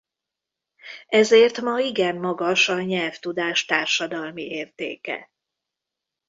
Ezért ma igen magas a nyelvtudás társadalmi értéke.